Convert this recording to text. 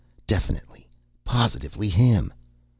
Definitely, positively him!